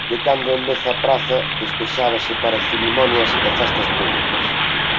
De cando en vez a praza despexábase para cerimonias e festas públicas.